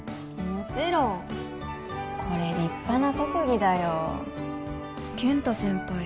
もちろんこれ立派な特技だよ健太先輩